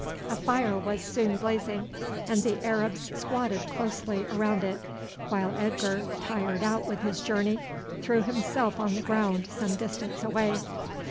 A fire was soon blazing, and the Arabs squatted closely around it, while Edgar, tired out with his journey, threw himself on the ground some distance away.